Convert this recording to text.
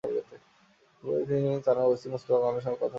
একপর্যায়ে তিনি থানার ওসি মোস্তফা কামালের সঙ্গে কথা বলার পরামর্শ দেন।